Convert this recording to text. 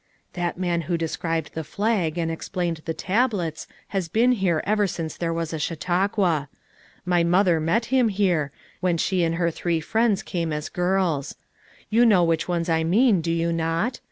"That man who described the flag and ex plained the tablets has been here ever since there was a Chautauqua. My mother met him here, when she and her three friends came as girls. You know which ones I mean do you not?